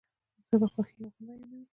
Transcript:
ژبه خوښی او غم بیانوي.